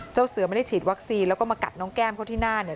เจ้าเสือไม่ได้ฉีดวัคซีนแล้วก็มากัดน้องแก้มเขาที่หน้าเนี่ย